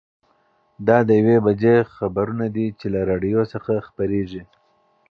دا د یوې بجې خبرونه دي چې له راډیو څخه خپرېږي.